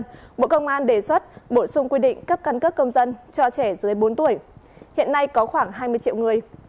trước đó bộ công an đề xuất bổ sung quy định cấp căn cước công dân cho trẻ dưới bốn tuổi hiện nay có khoảng hai mươi triệu người